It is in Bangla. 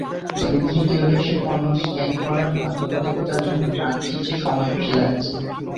তবে তৃতীয় দেশে পণ্য স্ক্যান করার বাধ্যবাধকতার জন্য ট্রানজিটে সময় বেশি লাগছে।